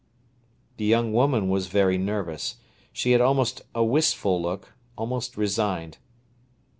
The young woman was very nervous. She had almost a wistful look, almost resigned.